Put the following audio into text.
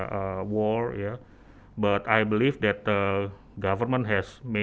tapi saya percaya bahwa pemerintah telah menguruskan kesan ya